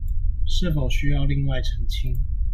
是否需要另外澄清